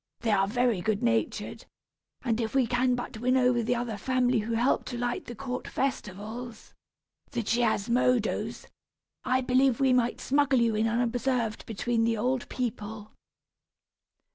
They are very good natured, and if we can but win over the other family who help to light the court festivals, the Chiasmodos, I believe we might smuggle you in unobserved between the old people."